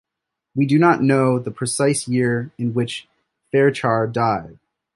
We do not know the precise year in which Fearchar died.